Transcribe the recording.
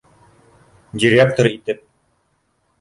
Директор итеп?!